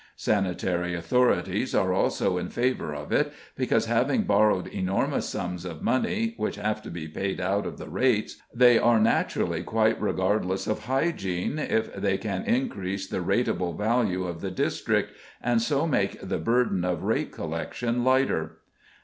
Sanitary authorities are also in favour of it because, having borrowed enormous sums of money, which have to be paid out of the rates, they are naturally quite regardless of hygiene if they can increase the rateable value of the district, and so make the burden of rate collection lighter.